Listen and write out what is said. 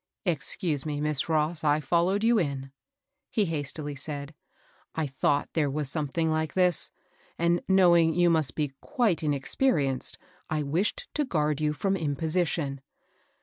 ^' Excuse me, Miss Ross, I followed you in,!' he hastily said. ^^ I thought there was something like this; and, knowing you must be quite inexpe rienced, I wished to guard you from imposition.